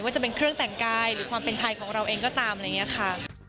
จะเป็นเครื่องแต่งกายหรือความเป็นไทยของเราเองก็ตามอะไรอย่างนี้ค่ะ